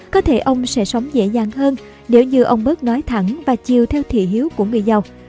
có thể ông sẽ sống dễ dàng hơn nếu như ông bớt nói thẳng và chiều theo thị hiếu của người giàu